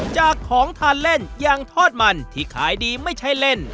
จากของทานเล่นอย่างทอดมันที่ขายดีไม่ใช่เล่น